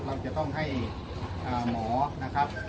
ขอพูดสั้นละกันนะครับ